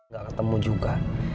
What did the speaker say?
gak ketemu juga